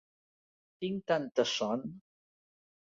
Tinc tanta son!